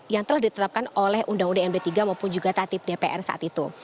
yang telah ditetapkan oleh undang undang md tiga maupun juga tatip dpr saat itu